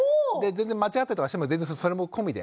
全然間違ってたりとかしてもそれも込みで。